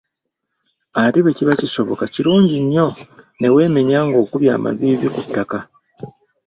Ate bwe kiba kisoboka, kilungi nnyo ne weemenya ng'okubye amaviivi ku ttaka.